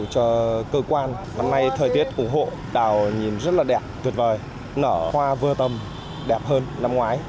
cho cơ quan năm nay thời tiết ủng hộ đào nhìn rất là đẹp tuyệt vời nở hoa vô tầm đẹp hơn năm ngoái